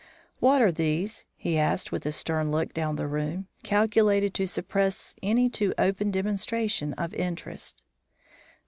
"What are these?" he asked, with a stern look down the room, calculated to suppress any too open demonstration of interest.